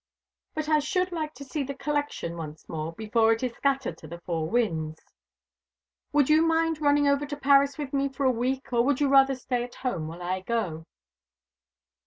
But I should like to see the collection once more, before it is scattered to the four winds. Would you mind running over to Paris with me for a week, or would you rather stay at home while I go?"